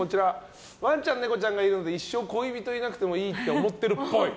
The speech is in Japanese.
ワンちゃんネコちゃんがいるので一生恋人いなくてもいいって思ってるっぽい。